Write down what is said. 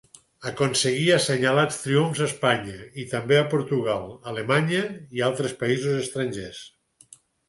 Aconseguí assenyalats triomfs a Espanya i també a Portugal, Alemanya i altres països estrangers.